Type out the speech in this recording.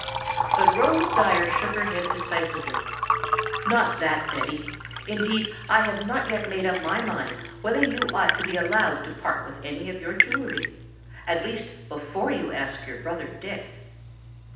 But Rose Dyer shook her head decisively. "Not that, Betty; indeed I have not yet made up my mind whether you ought to be allowed to part with any of your jewelry, at least before you ask your brother Dick."